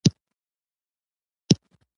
علم د ژوند ستونزې حل کوي.